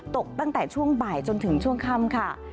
ตกตั้งแต่ช่วงบ่ายจนถึงช่วงค่ำค่ะ